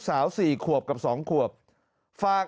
น้องเสียแล้วลูก